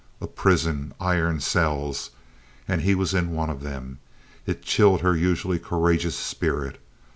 A prison, iron cells! And he was in one of them. It chilled her usually courageous spirit.